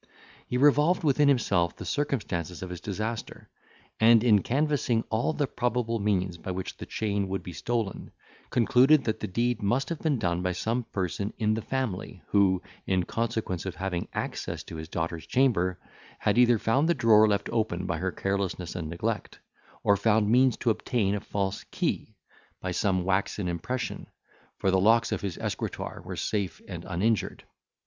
He revolved within himself the circumstances of his disaster, and, in canvassing all the probable means by which the chain would be stolen, concluded that the deed must have been done by some person in the family, who, in consequence of having access to his daughter's chamber, had either found the drawer left open by her carelessness and neglect, or found means to obtain a false key, by some waxen impression; for the locks of the escritoire were safe and uninjured.